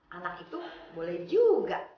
anak itu boleh juga